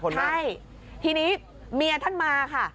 ใช่ทีนี้เมียท่านมาค่ะ